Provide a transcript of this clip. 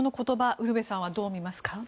ウルヴェさんはどう見ますか？